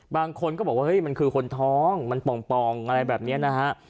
บางคนก็บอกว่าเฮ้ยมันคือคนท้องมันป่องอะไรแบบนี้นะฮะ